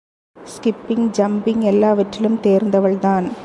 Skipping, jumping எல்லாவற்றிலும் தேர்ந்தவள் தான்.